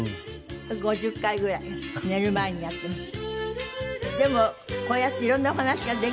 ５０回ぐらい寝る前にやってます。